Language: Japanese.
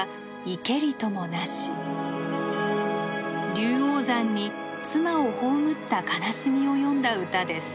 龍王山に妻を葬った悲しみを詠んだ歌です。